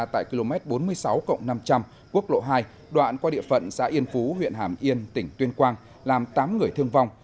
tại km bốn mươi sáu năm trăm linh quốc lộ hai đoạn qua địa phận xã yên phú huyện hàm yên tỉnh tuyên quang làm tám người thương vong